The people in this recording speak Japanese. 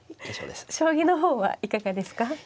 将棋の方はいかがですか。